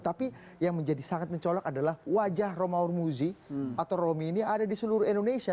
tapi yang menjadi sangat mencolok adalah wajah romahur muzi atau romi ini ada di seluruh indonesia